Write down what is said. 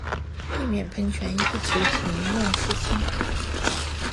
地面喷泉一直停用至今。